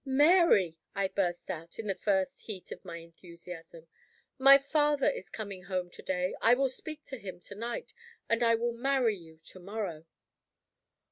"Mary!" I burst out, in the first heat of my enthusiasm, "my father is coming home to day. I will speak to him to night. And I will marry you to morrow!"